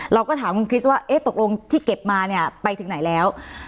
เราก็ถามคุณคริสต์ว่าตกลงที่เก็บมาเนี่ยไปถึงไหนแล้ว